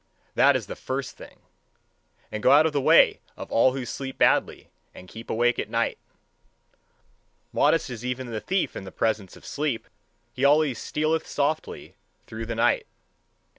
That is the first thing! And to go out of the way of all who sleep badly and keep awake at night! Modest is even the thief in presence of sleep: he always stealeth softly through the night.